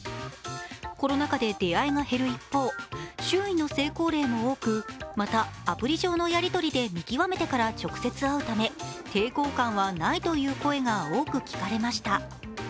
コロナ禍で出会いが減る一方、周囲の成功例も多く、また、アプリ上のやりとりで見極めてから直接会うため、抵抗感はないという声が多く聞かれました。